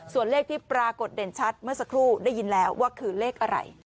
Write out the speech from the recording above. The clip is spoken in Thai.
ส่วนเลขที่ปรากฏเด่นชัดเมื่อสักครู่ได้ยินแล้วว่าคือเลขอะไร